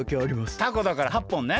たこだから８ぽんね。